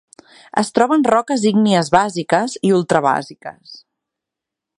Es troba en roques ígnies bàsiques i ultrabàsiques.